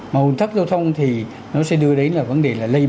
mà ủn thắc giao thông thì nó sẽ đưa đến là vấn đề là lây bệnh